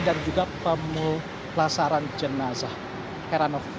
dan juga pemulasaran jenazah